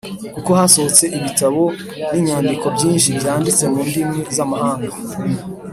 kuko hasohotse ibitabo n’inyandiko byinshi byanditse mu ndimi z’amahanga.